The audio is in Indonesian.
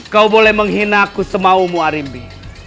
kau boleh menghina aku semaumu arim bi